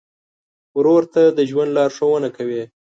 ورور ته د ژوند لارښوونه کوې.